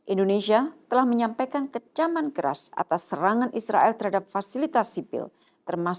indonesia telah menyampaikan kecaman keras atas serangan israel terhadapnya